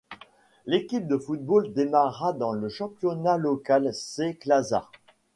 L'équipe de football démarra dans le championnat local C klasa.